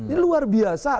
ini luar biasa